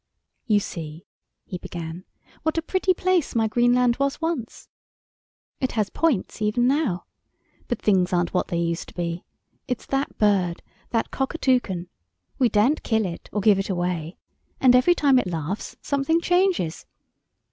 "You see," he began, "what a pretty place my Green Land was once. It has points even now. But things aren't what they used to be. It's that bird, that Cockatoucan. We daren't kill it or give it away. And every time it laughs something changes.